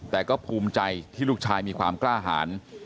แต่ก็ภูมิใจที่ลูกชายมีความกล้าหาร